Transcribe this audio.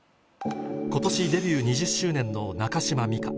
今年デビュー２０周年の中島美嘉